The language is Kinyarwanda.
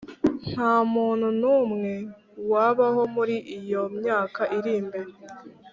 nta muntu n'umwe wabaho muri iyo myaka iri imbere;